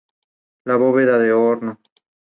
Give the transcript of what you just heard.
Vive en grupos familiares o pequeñas bandadas.